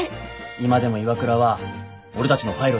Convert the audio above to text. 今でも岩倉は俺たちのパイロットやけん。